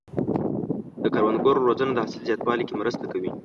د کروندګرو روزنه د حاصل زیاتوالي کې مرسته کوي.